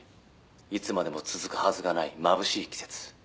「いつまでも続くはずがないまぶしい季節」